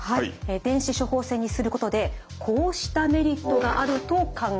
電子処方箋にすることでこうしたメリットがあると考えられています。